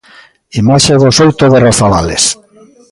Imaxe do Souto de Rozavales.